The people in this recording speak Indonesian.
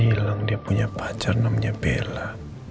randy pernah bilang dia punya pacar namanya bella